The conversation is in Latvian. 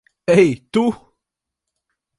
Ei, tu!